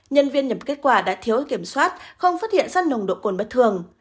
nhân viên nhập kết quả đã thiếu kiểm soát không phát hiện sát nồng độ cồn bất thường